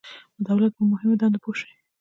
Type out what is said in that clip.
د دولت په مهمو دندو پوه شئ.